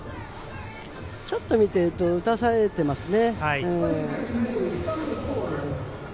ちょっと見ていると打たされていますね。